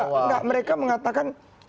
enggak enggak mereka mengatakan